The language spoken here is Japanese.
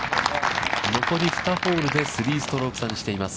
残り２ホールで３ストローク差にしています。